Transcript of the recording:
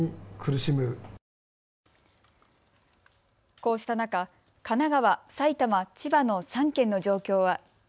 こうした中、神奈川、埼玉、千葉の３県の状況は。